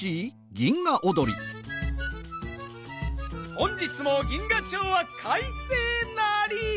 本日も銀河町はかいせいなり！